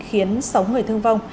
khiến sáu người thương vong